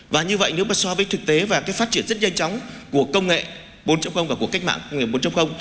và như vậy nếu mà so với thực tế và cái phát triển rất nhanh chóng của công nghệ bốn và của cách mạng bốn